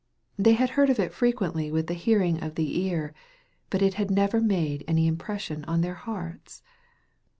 They had heard of it frequently with the hearing of the ear, but it had never made any impres sion on their hearts.